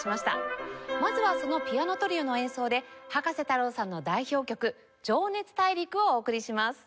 まずはそのピアノトリオの演奏で葉加瀬太郎さんの代表曲『情熱大陸』をお送りします。